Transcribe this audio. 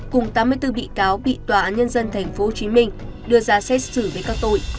cùng tám mươi bốn bị cáo bị tòa án nhân dân tp hcm đưa ra xét xử với các tội